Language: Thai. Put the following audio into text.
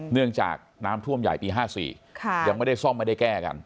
เนื่องจากน้ำท่วมใหญ่ปี๕๔ยังไม่ได้ซ่อมไม่ได้แก้กัน